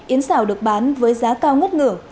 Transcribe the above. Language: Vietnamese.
yến xào được bán với giá cao ngất ngửa